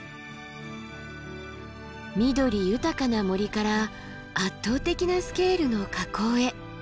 緑豊かな森から圧倒的なスケールの火口へ。